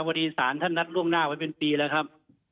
พอดีศาลท่านนัดล่วงหน้าไว้เป็นปีแล้วครับ